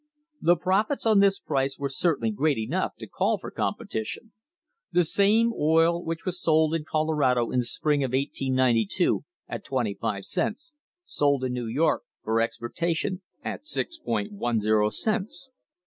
The profits on this price were cer tainly great enough to call for competition. The same oil which was sold in Colorado in the spring of 1892 at twenty five cents, sold in New York for exportation at 6.10 cents.